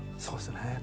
そうですね。